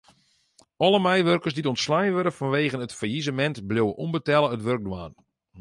Alle meiwurkers dy't ûntslein wurde fanwegen it fallisemint bliuwe ûnbetelle it wurk dwaan.